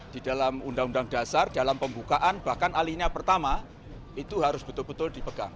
di dalam undang undang dasar dalam pembukaan bahkan alinia pertama itu harus betul betul dipegang